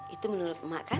itu menurut emak kan